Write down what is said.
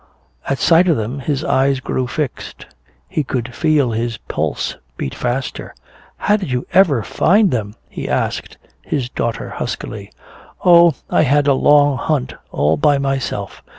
At sight of them his eyes grew fixed; he could feel his pulse beat faster. "How did you ever find them?" he asked his daughter huskily. "Oh, I had a long hunt all by myself.